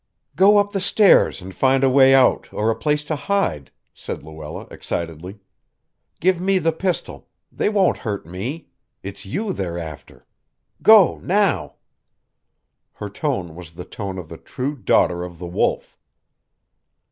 "Go up the stairs, and find a way out or a place to hide," said Luella excitedly. "Give me the pistol. They won't hurt me. It's you they're after. Go, now." Her tone was the tone of the true daughter of the Wolf.